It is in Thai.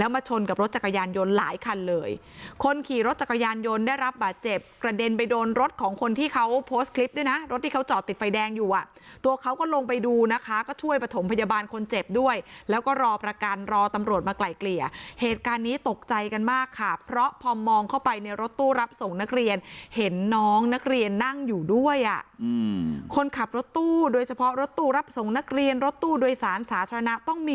มาชนกับรถจักรยานยนต์หลายคันเลยคนขี่รถจักรยานยนต์ได้รับบาดเจ็บกระเด็นไปโดนรถของคนที่เขาโพสต์คลิปด้วยนะรถที่เขาจอดติดไฟแดงอยู่อ่ะตัวเขาก็ลงไปดูนะคะก็ช่วยประถมพยาบาลคนเจ็บด้วยแล้วก็รอประกันรอตำรวจมาไกลเกลี่ยเหตุการณ์นี้ตกใจกันมากค่ะเพราะพอมองเข้าไปในรถตู้รับส่งนักเรียน